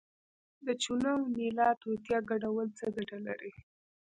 د چونه او نیلا توتیا ګډول څه ګټه لري؟